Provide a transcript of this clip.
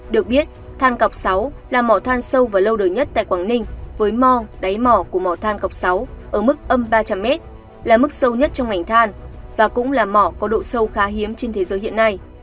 được biết than cọc sáu là mỏ than sâu và lâu đời nhất tại quảng ninh với mò đáy mỏ của mỏ than cọc sáu ở mức âm ba trăm linh m là mức sâu nhất trong ngành than và cũng là mỏ có độ sâu khá hiếm trên thế giới hiện nay